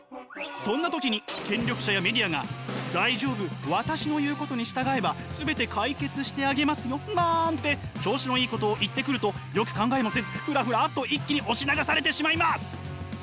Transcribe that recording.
そんな時に権力者やメディアが「大丈夫私の言うことに従えば全て解決してあげますよ」なんて調子のいいことを言ってくるとよく考えもせずふらふらっと一気に押し流されてしまいます！